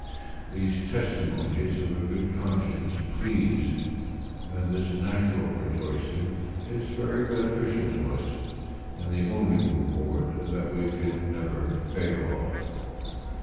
These testimonies of a good conscience please, and this natural rejoicing is very beneficial to us, and the only reward that we can never fail of.